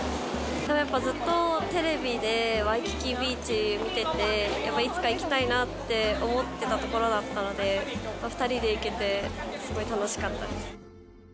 やっぱずっと、テレビでワイキキビーチ見てて、いつか行きたいなって思ってた所だったので、２人で行けてすごい楽しかったです。